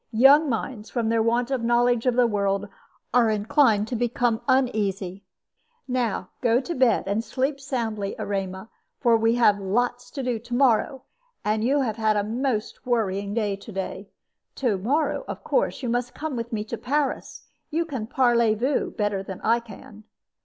Young minds, from their want of knowledge of the world, are inclined to become uneasy. Now go to bed and sleep soundly, Erema, for we have lots to do to morrow, and you have had a most worrying day to day. To morrow, of course, you must come with me to Paris. You can parleyvoo better than I can."